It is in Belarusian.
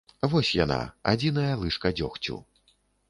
Вось яна, адзіная лыжка дзёгцю.